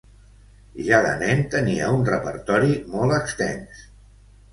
Ja de nen tenia un repertori molt extens.